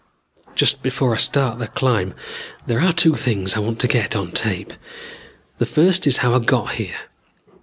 "Just before I start the climb there are two things I want to get on tape. The first is how I got here.